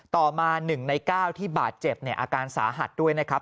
ต่อมา๑ใน๙ที่บาดเจ็บอาการสาหัสด้วยนะครับ